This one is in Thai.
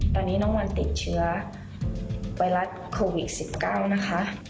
ตอนนี้น้องวันติดเชื้อไวรัสโควิด๑๙นะคะ